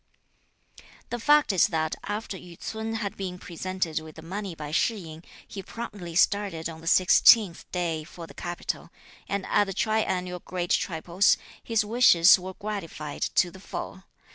The fact is that after Yü ts'un had been presented with the money by Shih yin, he promptly started on the 16th day for the capital, and at the triennial great tripos, his wishes were gratified to the full.